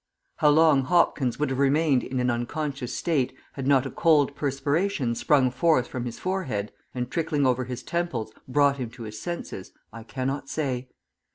HOW long Hopkins would have remained in an unconscious state had not a cold perspiration sprung forth from his forehead, and, trickling over his temples, brought him to his senses, I cannot say.